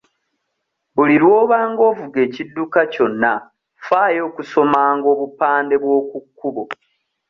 Buli lw'obanga ovuga ekidduka kyonna ffaayo okusomanga obupande bw'okukkubo.